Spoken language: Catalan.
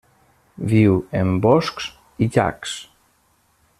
Viu en boscs i llacs.